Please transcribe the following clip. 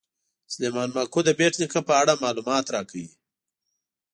سلیمان ماکو د بېټ نیکه په اړه معلومات راکوي.